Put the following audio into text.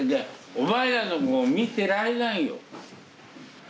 お前らの碁見てられないよ。